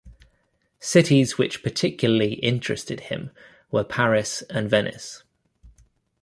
Cities which particularly interested him were Paris and Venice.